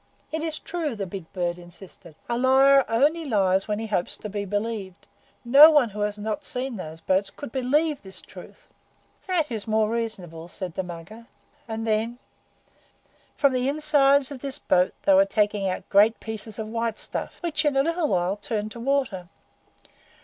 "It is true," the big bird insisted. "A liar only lies when he hopes to be believed. No one who had not seen those boats COULD believe this truth." "THAT is more reasonable," said the Mugger. "And then?" "From the insides of this boat they were taking out great pieces of white stuff, which, in a little while, turned to water.